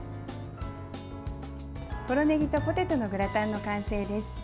ポロねぎとポテトのグラタンの完成です。